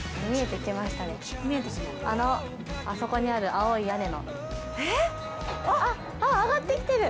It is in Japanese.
あの、あそこにある青い屋根の。えっ？あっ、上がってきてる。